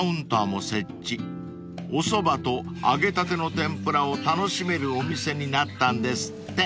［おそばと揚げたての天ぷらを楽しめるお店になったんですって］